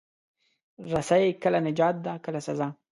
رسۍ کله نجات ده، کله سزا.